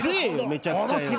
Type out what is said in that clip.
めちゃくちゃよ。